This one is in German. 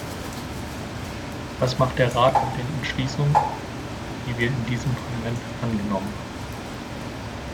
Was macht der Rat mit den Entschließungen, die wir in diesem Parlament angenommen haben?